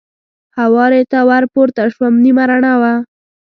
هوارې ته ور پورته شوم، نیمه رڼا وه.